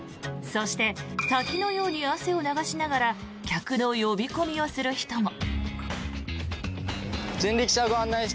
そして滝のように汗を流しながら客の呼び込みをする人も。